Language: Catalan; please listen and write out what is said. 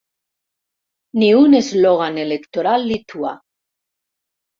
Ni un eslògan electoral lituà.